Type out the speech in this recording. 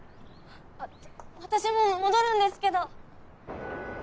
あっちょっ私も戻るんですけど。